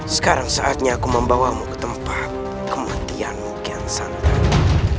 sekarang saatnya aku membawamu ke tempat kematian mungkin santai